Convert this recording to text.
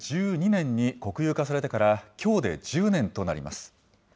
２０１２年に国有化されてから、きょうで１０年となります。